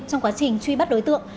trong quá trình truy bắt đối tượng